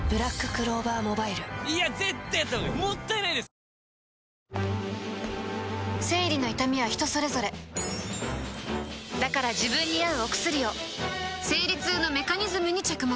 新「グリーンズフリー」生理の痛みは人それぞれだから自分に合うお薬を生理痛のメカニズムに着目